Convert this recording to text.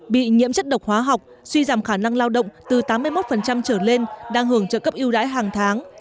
bị nhiễm chất độc hóa học suy giảm khả năng lao động từ tám mươi một trở lên đang hưởng trợ cấp yêu đãi hàng tháng